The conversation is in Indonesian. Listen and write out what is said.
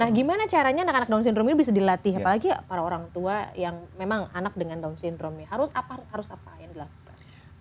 nah gimana caranya anak anak down syndrome ini bisa dilatih apalagi para orang tua yang memang anak dengan down syndrome harus apa yang dilakukan